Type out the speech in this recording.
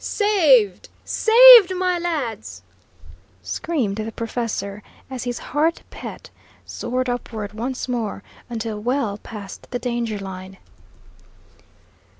"Saved, saved, my lads!" screamed the professor, as his heart pet soared upward once more until well past the danger line.